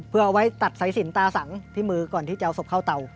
เพื่อเอาไว้ตัดสายสินตาสังที่มือก่อนที่จะเอาศพเข้าเตา